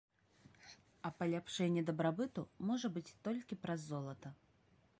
А паляпшэнне дабрабыту можа быць толькі праз золата.